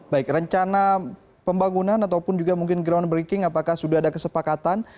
baik rencana pembangunan ataupun juga mungkin groundbreaking apakah sudah ada kesepakatan